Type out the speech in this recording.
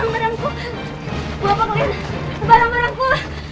mau menggunakan barang barangku